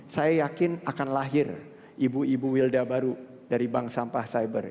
saya yakin akan lahir ibu ibu wilda baru dari bank sampah cyber